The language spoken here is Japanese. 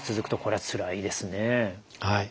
はい。